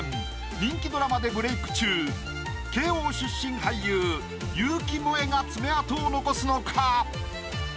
人気ドラマでブレイク中慶應出身俳優結城モエが爪痕を残すのか？